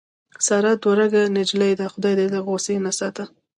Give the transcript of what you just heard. ساره دوه رګه نجیلۍ ده. خدای یې دې له غوسې نه ساته.